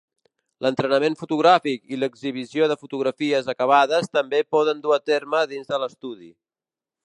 L'entrenament fotogràfic i l'exhibició de fotografies acabades també poden dur a terme dins de l'estudi.